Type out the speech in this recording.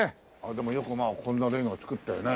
でもよくまあこんなレンガを造ったよね。